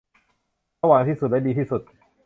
สว่างที่สุดและดีที่สุด